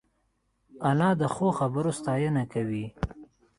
انا د ښو خبرو ستاینه کوي